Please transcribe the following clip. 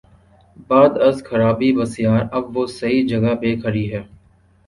بعد از خرابیٔ بسیار، اب وہ صحیح جگہ پہ کھڑی ہے۔